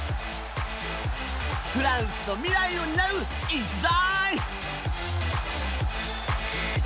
フランスの未来を担う逸材。